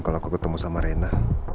kalau aku ketemu sama rena